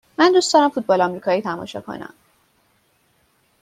من دوست دارم فوتبال آمریکایی تماشا کنم.